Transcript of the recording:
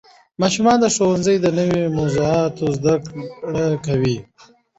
ماشومان د ښوونځي د نوې موضوعاتو زده کړه کوي